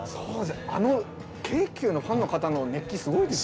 あの京急のファンの方の熱気すごいですよね。